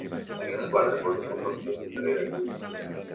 Aquestes quatre fotos les vam fer sense gaire cura.